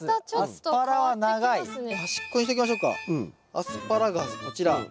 アスパラガスこちら。